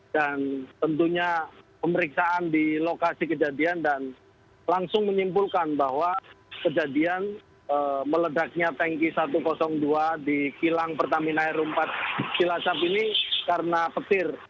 dan tentunya pemeriksaan di lokasi kejadian dan langsung menyimpulkan bahwa kejadian meledaknya tangki satu ratus dua di kilang pertamina r empat cilacap ini karena petir